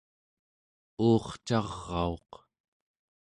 uurcarauq